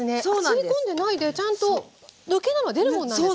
吸い込んでないでちゃんと抜ければ出るもんなんですか？